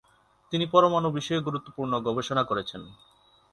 তিনি পরমাণু বিষয়ে গুরুত্বপূর্ণ গবেষণা করেছেন।